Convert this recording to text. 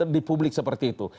di publik seperti itu